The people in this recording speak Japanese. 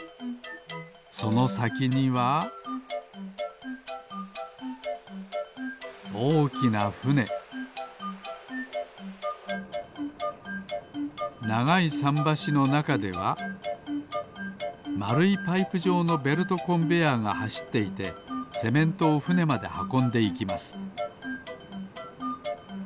そのさきにはおおきなふねながいさんばしのなかではまるいパイプじょうのベルトコンベヤーがはしっていてセメントをふねまではこんでいきます